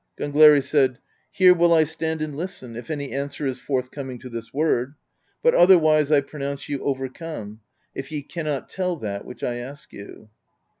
Gang leri said: "Here will I stand and listen, if any answer is forthcoming to this word; but otherwise I pronounce you overcome, if ye cannot tell that which I ask you."